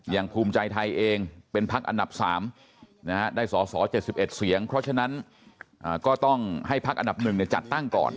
ภูมิใจไทยเองเป็นพักอันดับ๓ได้สอสอ๗๑เสียงเพราะฉะนั้นก็ต้องให้พักอันดับ๑จัดตั้งก่อน